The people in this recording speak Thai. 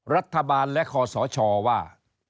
รัฐบาลและคอสชว่า